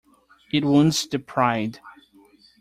It wounds the pride.